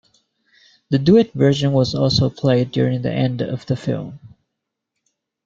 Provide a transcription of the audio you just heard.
The duet version was also played during the end of the film.